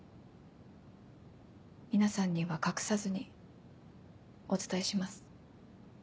皆さんには隠さずにお伝えします。